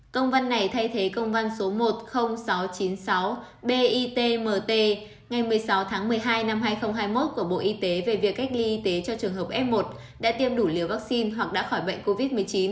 công văn này thay thế công văn số một mươi nghìn sáu trăm chín mươi sáu bitmt ngày một mươi sáu tháng một mươi hai năm hai nghìn hai mươi một của bộ y tế về việc cách ly y tế cho trường hợp f một đã tiêm đủ liều vaccine hoặc đã khỏi bệnh covid một mươi chín